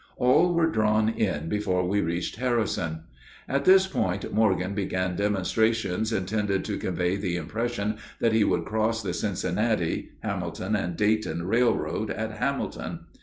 All were drawn in before we reached Harrison. At this point Morgan began demonstrations intended to convey the impression that he would cross the Cincinnati, Hamilton, and Dayton Railroad at Hamilton.